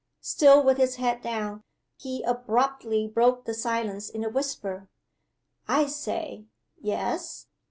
Still with his head down, he abruptly broke the silence in a whisper. "I say!" "Yes?"